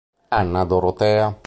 Anna Dorotea